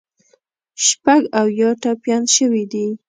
شپږ اویا ټپیان شوي دي.